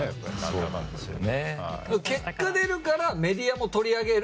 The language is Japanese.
結果出るからメディアも取り上げる。